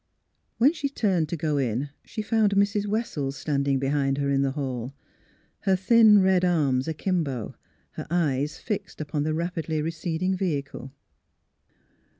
When she turned to go in, she found Mrs. Wes sels standing behind her in the hall, her thin red arms akimbo; her eyes fixed upon the rapidly receding vehicle.